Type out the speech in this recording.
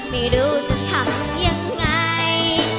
ไม่รู้จะทำยังไง